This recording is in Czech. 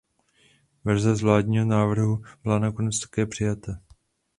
Verze z vládního návrhu byla nakonec také přijata.